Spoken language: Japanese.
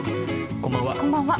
こんばんは。